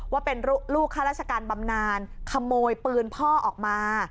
ว่าเป็นลูกข้าราชการบำนานขโมยปืนพ่อออกมา